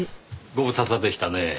ご無沙汰でしたねぇ。